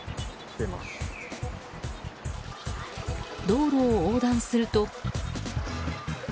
道路を横断すると。